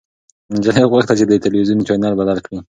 نجلۍ غوښتل چې د تلويزيون چاینل بدل کړي.